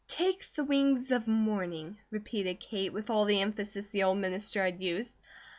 "Take the wings of morning," repeated Kate, with all the emphasis the old minister had used.